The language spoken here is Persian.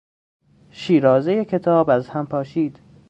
شیرازهٔ کتاب از هم پاشید.